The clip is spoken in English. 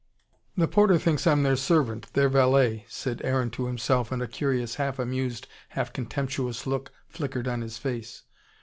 "The porter thinks I'm their servant their valet," said Aaron to himself, and a curious half amused, half contemptuous look flickered on his face.